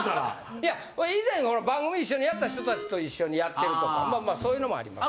いや以前番組一緒にやった人達と一緒にやってるとかまあまあそういうのもあります。